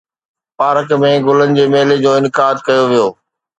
park ۾ گلن جي ميلي جو انعقاد ڪيو ويو